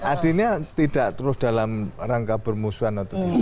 artinya tidak terus dalam rangka bermusuhan